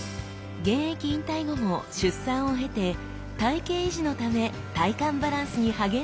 現役引退後も出産を経て体形維持のため体幹バランスに励んでいるそうです